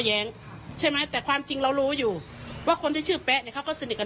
แม่ก็เลยบอกให้มามอบตัวตายแต่ว่าส่วนหนึ่งก็เพราะลูกชาย